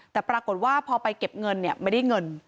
แต่ปรากฏว่าพอไปเก็บเงินไม่ได้เงิน